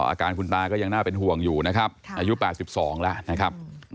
อาการคุณตาก็ยังน่าเป็นห่วงอยู่นะครับอายุ๘๒แล้วนะครับ